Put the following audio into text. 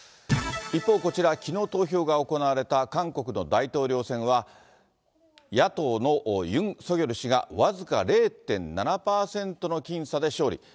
一方、こちら、きのう投票が行われた韓国の大統領選は、野党のユン・ソギョル氏が、僅か０．７％の僅差で勝利。